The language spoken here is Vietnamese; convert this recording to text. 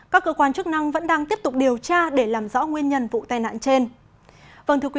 các cơ quan chức năng vẫn đang tiếp tục điều tra để làm rõ nguyên nhân vụ tai nạn trên